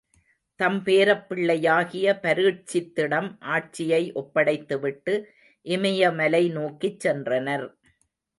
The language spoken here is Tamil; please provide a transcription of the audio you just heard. தம் பேரப்பிள்ளையாகிய பரீட்சித்திடம் ஆட்சியை ஒப்படைத்துவிட்டு இமயமலை நோக்கிச் சென்றனர்.